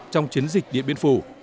trong chiến dịch điện biên phủ